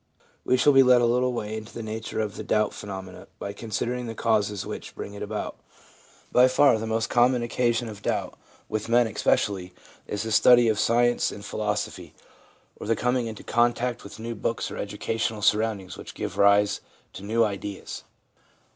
We shall be led a little way into the nature of the doubt phenomenon by considering the causes which bring it about. By far the most common occasion of doubt, with men especially, is the study of science and philosophy, or the coming into contact with new books or new educational surroundings which give rise to new ideas.